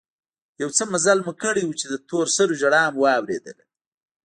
يو څه مزل مو کړى و چې د تور سرو ژړا مو واورېدل.